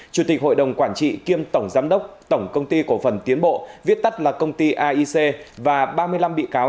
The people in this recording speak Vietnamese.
chủ tịch hội đồng quản trị kiêm tổng giám đốc tổng công ty cổ phần tiến bộ viết tắt là công ty aic và ba mươi năm bị cáo